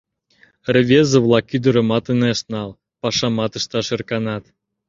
Рвезе-влак ӱдырымат ынешт нал, пашамат ышташ ӧрканат.